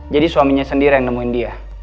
jadi suaminya sendiri yang nemuin dia